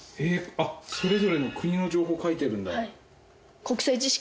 あっそれぞれの国の情報書いてるんだ。